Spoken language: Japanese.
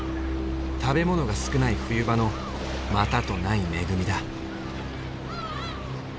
食べ物が少ない冬場のまたとない恵みだ。